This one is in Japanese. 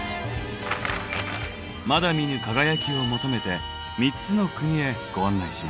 まだ見ぬ輝きを求めて３つの国へご案内します。